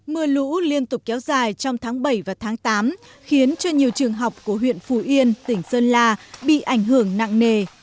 mưa lũ liên tục kéo dài trong tháng bảy và tháng tám khiến cho nhiều trường học của huyện phù yên tỉnh sơn la bị ảnh hưởng nặng nề